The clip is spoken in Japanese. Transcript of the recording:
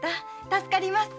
助かります。